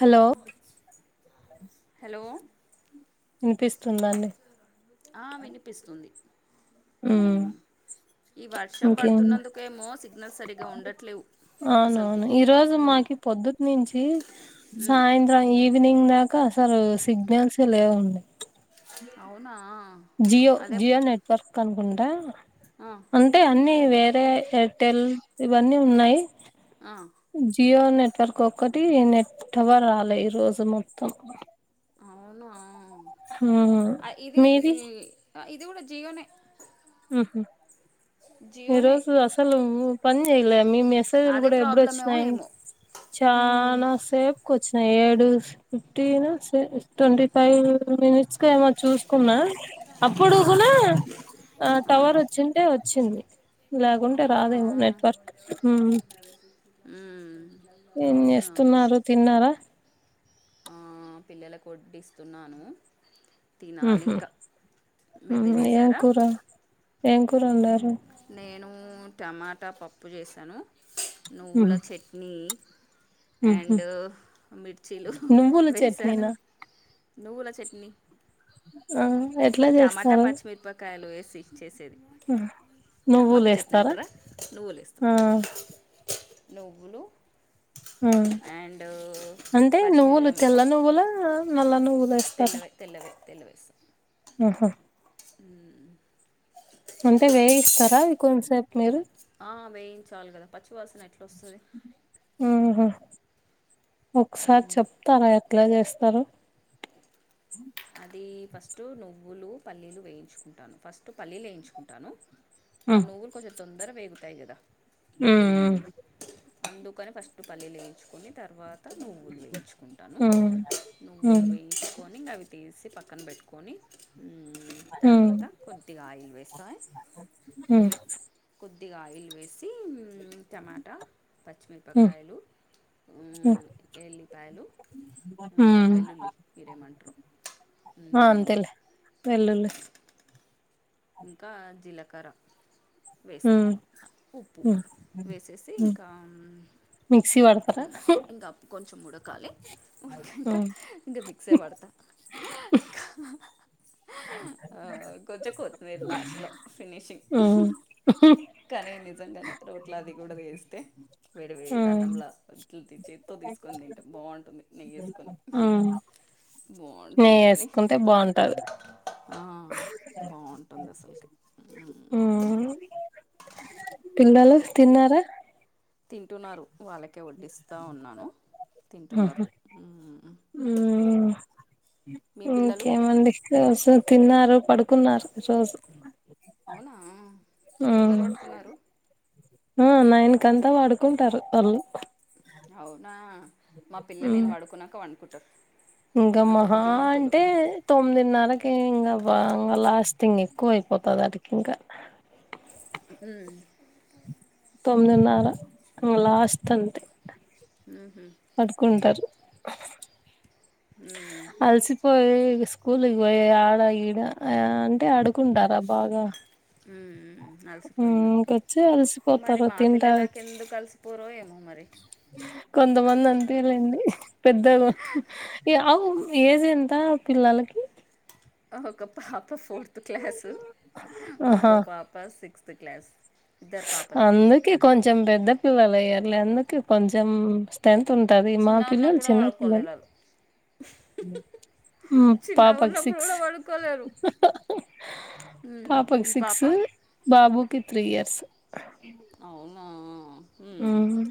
Hello hello ఇన్పిస్తుందాండి ఆ వినిపిస్తుంది మ్మ్ ఊమ్ ఈ వర్షం ఇంకేం పడుతున్నందుకేమో సిగ్నల్స్ సరిగ్గ ఉండట్లేవు అవును అసలుకి అవును ఈ రోజు మ్మ్. మాకి పొద్దుట్నుంచి మ్మ్. సాయంత్రం గ ఈవినింగ్ దాకా అసలు సిగ్నల్సే లేవండి అవునా జియో అదే జియో నెట్వర్క్ అనుకుంటా ఆ అంటే అన్ని వేరే ఎయిర్టెల్ ఇవన్నీ ఉన్నాయి ఆ జియో నెట్వర్క్ ఒక్కటి నెట్ టవర్ రాలే ఈ రోజు మొత్తం అవును మ్మ్ ఆ ఇది మీది ఇది కూడా జియో నే ఉమ్ హు ఈ జియోనే రోజు అసలు పని చేయలే మీమే లు అదే కూడ ప్రాబ్లం ఏమో ఎబ్బుడోచ్చినాయి ఏమో మ్మ్. చానా సేపుకొచ్చినాయి ఏడు ఫిఫ్టీనా సే ట్వంటీ ఫైవ్ మినిట్స్ కేమో చూసుకున్నా ఆ, అప్పుడుగుడా ఆ టవర్ వచ్చింటే వచ్చింది లేకుంటే రాదేమో నెట్వర్క్ ఉ ఏం చేస్తున్నారు తిన్నారా ఆ, పిల్లలకు ఒడ్డిస్తున్నాను తినాలి ఉహు ఇంకా మీరు ఏం తినేసారా కూర ఏం కూర వండారు నేను టమాటా పప్పు చేశాను నువ్వుల చట్నీ ఉ ఉహు అండ్ మిర్చీలు నువ్వుల వేశాను చట్నీనా నువ్వుల చట్నీ ఆ ఎట్లా టమాటా చేస్తారు పచ్చిమిరపకాయలు వేసి చేసేది నువ్వులు టమాటా చట్నీ వేస్తారా అంటార నువ్వులు వేస్తాం ఆ నువ్వులు ఆ అండ్ పచ్చి మిరపకాయ నువ్వుల తెల్లవే తెల్లవే తెల్లవేవేస్తా ఆహ అంటే వేయి ఇస్తారా అవి కొంతసేపు మీరు ఆ వేయించాలి కదా పచ్చివాసన ఎట్ల వస్తుంది ఆహా ఒకసారి చెప్తారా ఎట్లా చేస్తారు అది ఫస్ట్ నువ్వులు పల్లీలు వేయించుకుంటాను ఫస్ట్ పల్లీలు వేయించుకుంటాను ఆ హ్మ్ నువ్వులు కొంచెం తొందర వేగుతాయి కదా ఊ హ్మ్ అందుకని ఫస్ట్ పల్లీలు వేయించుకొని తర్వాత నువ్వులు వేయించుకుంటాను హ్మ్ నువ్వులు హ్మ్ వేయించుకొని అవి తీసి పక్కన పెట్టుకొని తర్వాత కొద్దిగా ఆయిల్ వేస్తాయి ఉ కొద్దిగా ఆయిల్ వేసి టమాటా హ్మ్ పచ్చిమిరపకాయలుఉ హ్మ్ ఎల్లిపాయలు ఉ హ్మ్ వెల్లుల్లి మీరేమంటారో ఆ అంతేలే వెల్లుల్లి ఇంకా జీలకర్ర వేస్తాం హ్మ్ ఉప్పు హ్మ్ వేసేస్తాం అ హ్మ్ ఇంకా మిక్సీ పడతారా ఇంకా కొంచెం ఉడకాలే ఉడికినంక హ్మ్ ఇంకా మిక్సే పడతాను ఇంకా ఆ కొంచెం కొత్తిమీర లాస్ట్ లో ఫినిషింగ్ హ్మ్ కానీ నిజంగానే రోట్ల అది కూడా వేస్తే వేడి వేడి హ్మ్ అన్నంలో ఇట్లు చేతితో తీసుకొని తింటే బాగుంటుంది నెయ్యివేసుకొని ఆ నెయ్య వేసుకుంటే బాగుంటది ఆ బాగుంటుంది అసలుకి హ్మ్ పిల్లలు తిన్నారా తింటున్నారు వాళ్ళకి ఇంకా వడ్డిస్తా ఉన్నాను తింటున్నారు ఉ మీ పిల్లలు ఇంకేమండి రోజు తిన్నారు పడుకున్నారు రోజు అవునా ఉ తొందర పడుకున్నారు ఆ నైనుకుకంతా పడుకుంటారు వాళ్ళు అవునా మా పిల్లలు నేను పడుకున్నాక పడుకుంటారు ఇంకా మహా అంటే తొమ్మిదిన్నరకి ఇంకా బా ఇంక లాస్టింగ్ ఎక్కువ అయిపోతుంది అటికి ఇంకా ఉ తొమ్మిదిన్నర లాస్ట్ అంతే ఉహు పడుకోన్ఉంటారు, ఉమ్ అల్సిప్ పోయి స్కూల్కి పోయి ఆడ, ఈడ ఆ అంటే ఆడుకుంటారా బాగా. ఉమ్మ్ ఉమ్మ్ అలిసిపోయినట్టు, ఇంకొచ్చి మరి అలసిపోతారు మా తింటారు పిల్లలాకి ఎందుకు కలిసిపోరో ఏమో మరి. కొంతమంది అంతేలేండి పెద్దలు ఏ అవ్ ఏజ్ ఎంత పిల్లలకి ఓ ఒక పాప ఫోర్త్ క్లాసు, ఆహా ఒక పాప సిక్స్త్ క్లాస్ ఇద్దరు పాపలే అందుకే కొంచెం పెద్ద పిల్లలు అయ్యర్లే, అందుకే కొంచెం టెన్త్ ఉంటది, మా చిన్నగా పిల్లలు ఉన్నప్పుడు చిన్న పిల్లలు. పడుకోలేరు వాళ్ళు ఉమ్ చిన్నగా పాపకి ఉన్నప్పుడు సిక్స్. కూడా పడుకోలేరు ఉమ్, పాపకి మీ పాప సిక్స్, బాబుకి త్రీ ఇయర్స్. అవునా హుమ్ మ్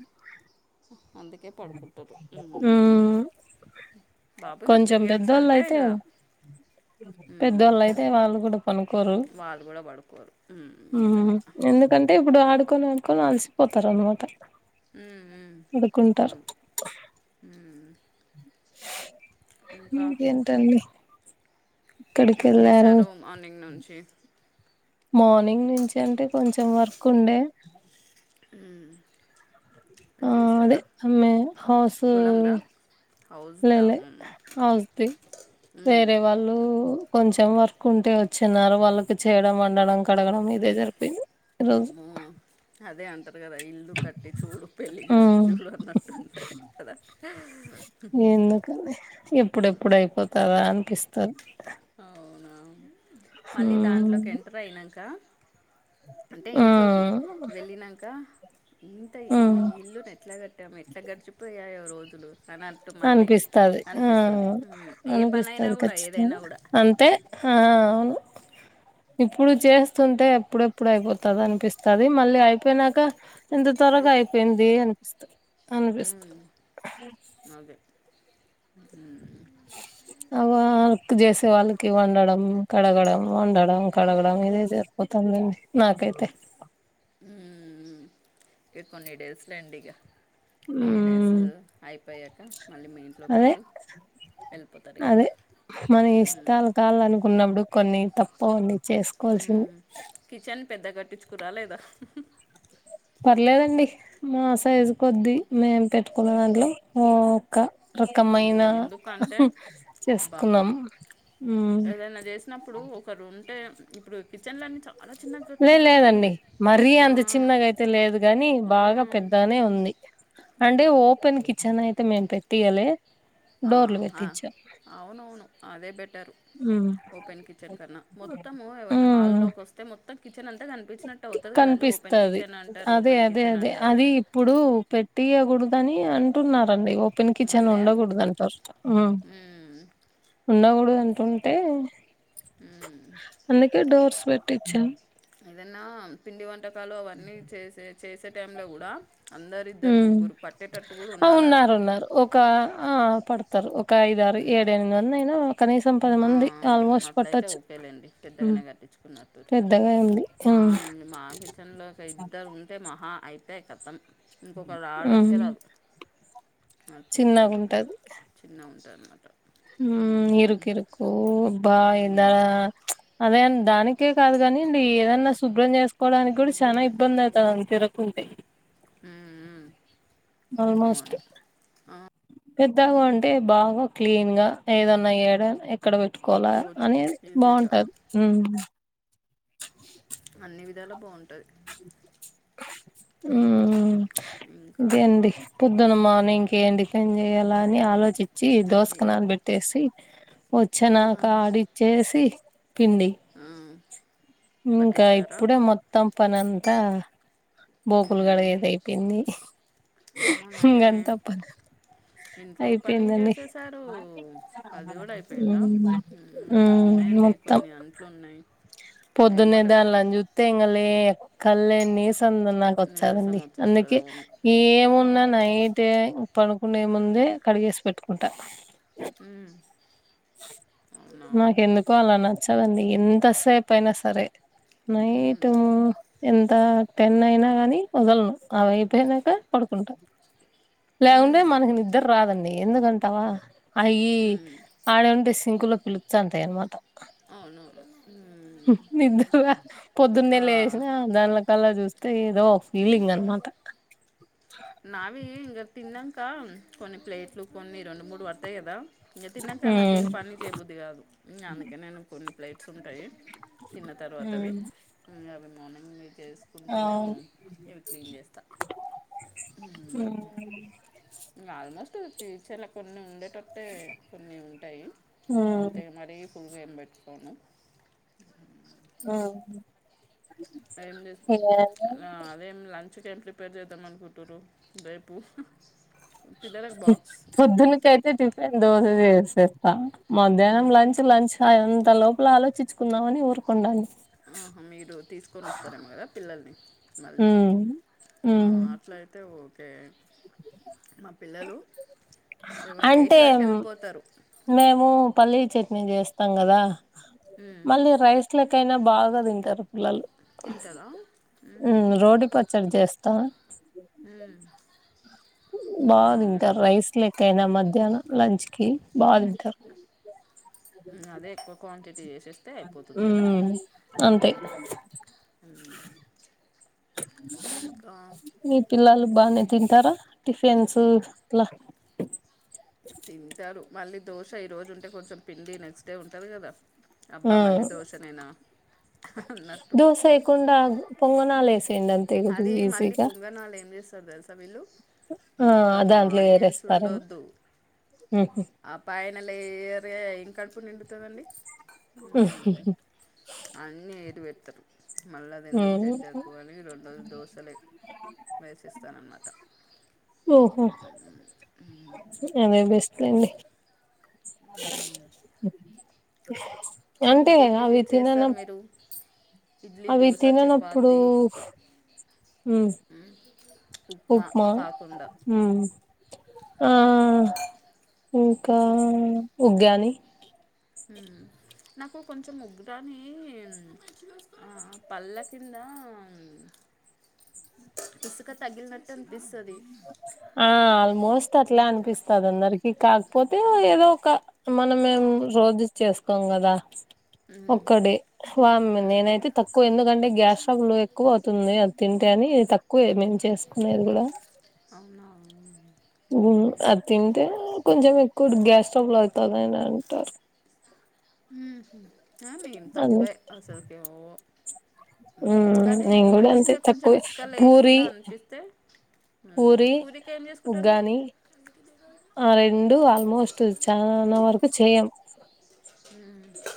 అందుకే పడుకుంటారు ఉహుమ్ మ్ బాబు ఇంగ త్రీయర్స్ అంటే ఇంగ ఉమ్ పెద్దోళ్ళు అయితే వాళ్ళు గుడా పనుకోరు వాళ్ళు కూడా పడుకోరు ఉమ్, నిజమే అంటే ఇప్పుడు ఆడ్కొని ఆడ్కోని అలిసిపోతారన్నమాట. ఉమ్ ఉమ్ అవున్ ఉమ్ ఉమ్ ఇంకా ఇకేంటండి ఏం జేశారు మార్నింగ్ నుంచి మార్నింగ్ నుంచి అంటే, కొంచెం వర్క్ ఉండే. ఉమ్మ్ ఆ అదే హమె హౌస్ పొలందా లే హౌస్దా లే ఉమ్, హోస్ ది ఉమ్, వేరే వాళ్ళు కొంచెం వర్క్ ఉంటే వచ్చిఉన్నారు వాళ్ళకి చేయడం, వండడం, కడగడం ఇదే జరిపోయింది. ఈరోజు అమ్మో అదే అంటారు గదా ఇల్లు కట్టి చూడు పెళ్ళి చూసి ఉమ్, చూడు అన్నట్టు ఉంటుంది కదా. ర కాని ఎప్పుడెప్పుడు అయిపోతాదా అనిపిస్తాన్ అవునా, మళ్ళీ ఉమ్ దాంట్లోకి ఎంటర్ అయినంకా అంటే ఇంట్లోకి, ఉమ్ వెళ్ళినంకా ఇంత ఈ ఉమ్ ఇల్లును ఎట్లా కట్టామ్, ఎట్లా గడిచిపోయాయో రోజులు. అనట్టు మళ్ళీ అనిపిస్తది ఆ అనిపిస్తది, ఏ పనైనా అనిపిస్తది గుడా ఏదైనా ఖచ్చితంగా గుడా అంతే హా అవును, ఇప్పుడు చేస్తుంటే ఎప్పుడేప్ ఎప్పుడు అయిపోతాద అనిపిస్తది, మళ్ళీ అయిపోనాక ఇంత త్వరగా పడిపోతుంది అయిపోయింది అనిపిస్తది, అనిపిస్తాది మ్మ్. అదే హుమ్మ్ అ ఆ వర్క్ చేసే వాళ్ళకి వండడం, కడగడం, వండడం కడగడం ఇదే సరిపోతందండి. నాకైతే ఉమ్మ్ ఉమ్మ్ ఉమ్మ్ ఇక కొన్ని డేస్ లేండి ఇగ కొన్ని డేస్ ఉమ్ అయిపోయాక, మళ్ళీ మీ ఇంట్లోకి అదే మీరు ఎల్పోతారు ఇగ అదే మన ఇస్తాలు కాలనుకున్నప్పుడు కొన్ని తప్పవ్ అండి. ఊ కిచెన్ పెద్ద కట్టించుకురా లేదా పర్లేదండి మా సైజు కొద్దిీ మేం పెట్టుకున్న దాంట్లో ఓ క రకమైన మ్మ్. ఎందుకంటే బా చేస్కున్నాం ఊ నప్పుడు ఒకరు ఉంటే ఇప్పుడు కిచెన్ లన్ని చ లే లేదండి మరీ ఆ, అంత చిన్నగా అయితే లేదు గాని బాగా మ్మ్, పెద్దనే ఉంది అంటే ఓపెన్ కిచెన్ అయితే మేం పెట్టియలే డోర్లు ఆహా పెట్టించాం అవునవును అదే బెటరు ఊ ఓపెన్ కిచెన్ కన్నా మొత్తము ఎవైనా మ్మ్ హాల్లోకి వస్తే మొత్తం కిచెన్ అంతా కన్ పిచినట్టవుతది కదండి ఓపన్ కనిపిస్తది కిచెన్ అంటారు అదే ఓపెన్ అదే కిచెన్ అదే అంటారు అది ఇప్పుడు పెట్టియకూడదని అంటున్నారండి ఓ పెన్ కిచన్ మళ్ళీ ఉండకూడదు అండ్ ఫస్ట్ మ్మ్, అప్- ఉండకూడదంటుంటే మ్మ్, అందుకే డోర్స్ పెట్టించాం ఏదన్నా పిండి వంటకాలు అవన్నీ చేసే చేసే టైమ్లో కూడా అందరిద్దర్ ఉమ్ ముగ్గురు పట్టేటట్టు కూడా ఆ ఉండాలడా ఉన్నారు ఒక ఆ పడతారు ఒక ఉమ్, ఐదారు ఏడెనిమిది మందయినా కనీసం పది మంది ఉ ఆల్మోస్ట్ అట్లయితే పట్టొచ్చు ఓకేలేండి ఉమ్ పెద్దగానే కట్టించుకున్నట్టుర్ పెద్దగా ఉంది మా ఉమ్ ఇల్ మాకిస్ కిచన్ లో ఒక ఇద్దరు ఉంటే మహా అయితే కతం ఇంకొకర్ ఉమ్ రావడానికే రాదు అట్టుంది చిన్నగుంటది చిన్న ఉంటాదన్నమాట బాఇన్ దానా అదేన్ దానికే కాదు కానీండి ఏదన్నా శుభ్రం చేస్ కోడానికి కూడా చానా ఇబ్బందవుతది తిరకుంటే ఊ ఊ ఆల్మోస్ట్ పెద్దగా ఉంటే బాగా క్లీన్ గా ఏదన్నా ఎయ్యాడా ఎక్కడ పెట్టుకోవాలా కోవచ్చు అనేది ఈజీగా బాగుంటది ఊ అన్ని విధాలా బాం టది ఊ ఉమ్ ఇంకా ఇదే అండి పొద్దున మార్నింగ్ కి ఏం టిఫెన్ చెయ్యాల అని ఆలోచిచి దోశకు నాన్ బెట్టేసి వచ్చినాక ఆడిచ్చేసి పిండి ఆవ్ ఇంకా ఇప్పుడే మొత్తం పనంతా బోకులు గడగేది అమ్మ అయిపోయింది ఇంగంన్ నయమే తప్పదు ఇంట్లో పని చేసేసారు అది కూడా అయిపోయిందా ఉమ్ ఊ నా ఉమ్ ఉన్నాయండి కొన్ని అంట్లున్నాయి పొద్దునేదాలన్ జుత్ంగ లే కల్ళె నీసంద నాక్ నీరసం వచ్చాదండి వచ్చేస్తుంది అందుకే అవును ఏమున్నా నైటె పనుకునే ముందే కడిగేస్ పెట్టుకుంటా ఊ నాకెందుకో అలా నచ్చదండి ఎంతసేపైనా సరే నైట్ము ఎంత టెన్ అయినా కాని వదలను అవై పోయ్ నాక పడుకుంటా లేకుంటే మనకి నిద్ర రాదండి ఎందుకంటావా అయి ఆడ ఉంటే సింకులో పిలుచ్చు అంతాయి అనమాట అవును ఉమ్, హు నిద్ర పొద్దున్నే ఆ లేసినా దాని కల్లా చూస్తే ఏదో ఒక ఫీలింగ్ అనమాట నావి ఇంక తిన్నాక కొన్ని ప్లేట్లు కొన్ని రెండు మూడు పడతాయి కదా ఇంక తిన్నాక నాకేం ఉమ్ పని చేయబుద్ధి కాదు అందుకే నేను కొన్ని ప్లేట్స్ ఉంటాయి తిన్న తర్వాత అవి ఉమ్ అవి మార్నింగే చే కుంటూనేవ్ అవును ఇవి క్లీన్ చేస్తా హ ఇంకా ఆల్మోస్ట్ ఫ్యూచర్లా కొన్ని ఉండేటట్టు అట్టే కొన్ని ఉంటాయి అంతే ఉమ్ మరి ఫున్గేమ్ పెట్కోను ఉ ఏంలేదు అలా అదేం లంచ్ జేలిప్ ప్రీపేర్ చేద్దామలుకుంటూరు రేపు పిల్లలకు బాక్స్ పొద్దునకయితే టిఫిన్ దోశ చేసేస్తా మధ్యాహ్నం ఉమ్, లంచ్ లంచ్ అంత లోపల ఆలోచించుకున్నామని ఊరుకుండా ఆహా మీరు తీసుకొని వస్తారేమో కదా పిల్లల్ని మళ్ళీ ఉమ్ ఆ ఉమ్ అట్లయితే ఓకే మా పిల్లలు సెవెన్ ఎయిట్ అంటే వరకు వెళ్ళిపోతారు మేము పల్లీ చట్నీ చేస్తాం కదా ఉమ్, మళ్ళీ రైస్ ఇట్లకైనా బాగా తింటారు పిల్లలు తింటారా ఉహుం. రోటి పచ్చడి చేస్తారు త ఉమ్ బాగా అవునా ఉమ్, తింటారు రైస్ లెక్కయినా మధ్యాహ్నం లంచ్కి బాగా తింటారు అదే ఎక్కువ క్వాంటిటీ చేసి అయిపోతుంది కదా ఉమ్ అంతే ఇంకా మీ పిల్లలు బాగానే తింటారా టిఫిన్స్ అట్లా తింటారు మళ్ళీ దోశ ఈరోజు ఉంటే కొంచెం పిండి నెక్స్ట్ డే ఉంటుంది కదా అబ్బా ఉమ్ మళ్ళీ దోశనేనా అన్నట్టు కుండా పొంగనాలు ఎసేయండి ఆన్ అదీ మళ్ళీ పొంగనాళ్ళు ఏం చేస్తారు తెలుసా వీళ్ళు ఆ మొత్తం దాంట్లో ఆనియన్స్ ఏరేస్తారేమో ఉండొద్దు ఉహు ఆ పైయన లేయరే ఏం కడుపు నిండుతుందండి అన్నీ ఏలు పెడ్తరు మళ్ళీ అది ఎందుకు ఉమ్ హెడ్ ఎక్కువని రెండు రోజులు దోశలే వేసిస్తానన్నమాట ఓహో అదే బెస్ట్ అండి అంతే కదా అవి తినన డు అవి తిననప్పుడు ఉప్- ఉ ఉప్మా ఆ ఇంకా ఉగ్గాని నాకు కొంచెం ముగ్గురాని ఆ బల్ల కింద ఇసుక తగిలినట్టు అనిపిస్తది ఆ ఆల్మోస్ట్ అట్లా అనిపిస్తది అందరికి కాకపోతే ఏదో ఒక మనమేం రోజు చేసుకోం గదా హ్మ్ ఒక్కడే వామ్ హ్మ్ నేనైతే తక్కువ ఎందుకంటే గ్యాస్ స్టవ్ లో ఎక్కువ అవు ది అది తింటే అని తక్కువ ఏమేమి చేసుకునేది కూడా అవునా అవును అది తింటే కొంచెం ఎక్కుడు గ్యాస్ స్టబుల్ అవుతదని అంటా ఉహు మేన్ తక్కువే అందుకే అసలుకి ఏంవ్ మ్మ్ కానీ నేను కూడా అంతే మంచిగా కొంచెం తక్కువే ఇసుక పూరి లేకుండా అనిపిస్తే ఉ పూరి పూరికేం చేసుకుంటారు మీరు ఉగ్గాని ఆ రెండు ఆల్మోస్ట్ చానా వరకు చేయం ఉ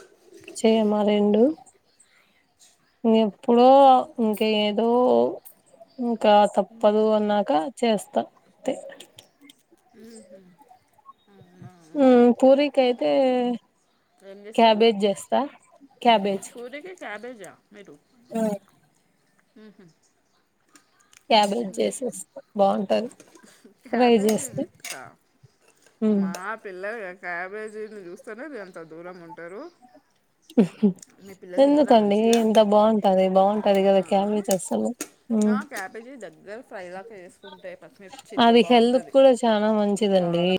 చెయమ్మా ఆ రెండు ఇ ఎప్పుడో ఇంక ఏదో ఇంకా తప్పదు అన్నాక చేస్తా ఉహు అవునా కైతే ఏం క్యాబేజ్ జేస్తా పూరికు క్యాబేజా నైటూ ఉహుమ్ క్యాబేజ్ జేసేస్త బాగుంటది ఫ్రై క్యాబేసి చేస్తే [unintelligible] మ్ అమా పిల్లలు క్యాబేజీ చూస్తేనే ఎంత దూరం ఉంటారు మీ పిల్లలు తింటారా ఎందుకండి మంచిగా ఎంత బాగుంటది బాగుంటది కదా అవునా క్యాబీజీ అసలు మ్ ఆ క్యాబేజీ దగ్గర ఫ్రై లాగా వేసుకుంటే పచ్చిమిర్చితో అది హెల్త్ బాగుంటది కూడా చానా మంచిదండి చాలా